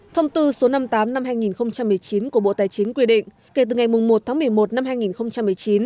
thông tư số năm mươi tám năm hai nghìn một mươi chín của bộ tài chính quy định kể từ ngày một tháng một mươi một năm hai nghìn một mươi chín